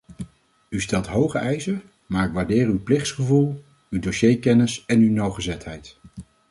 U stelt hoge eisen, maar ik waardeer uw plichtsgevoel, uw dossierkennis en uw nauwgezetheid.